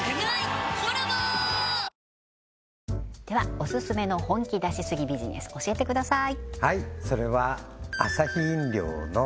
オススメの本気出しすぎビジネス教えてください